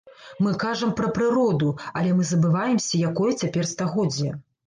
Мы кажам пра прыроду, але мы забываемся, якое цяпер стагоддзе.